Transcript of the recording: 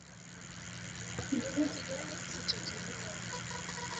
Kidudu kigani kisichotulia.